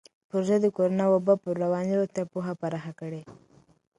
پروژه د کورونا وبا پر رواني روغتیا پوهه پراخه کړې.